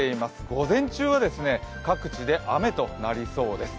午前中は各地で雨となりそうです。